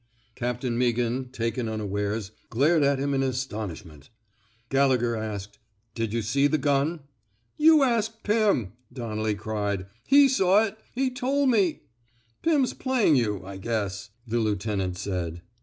*' Captain Meaghan, taken unawares, glared at him in astonishment. Gallegher asked: Did you see the gun? ''You ask Pirn,'* Donnelly cried. He saw it. He toP me —'Pim's playing you, I guess,'' the lieu tenant said.